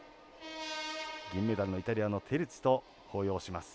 銀メダルのイタリアのテルツィと抱擁します。